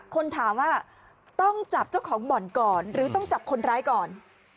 คนถามว่าต้องจับเจ้าของบ่อนก่อนหรือต้องจับคนร้ายก่อน